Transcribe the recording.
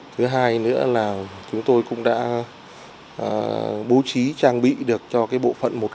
thứ hai nữa là chúng tôi cũng đã bố trí trang bị được cho bộ phận một cửa